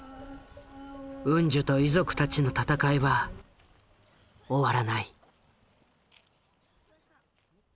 ウンジュと遺族たちの闘いは終わらない。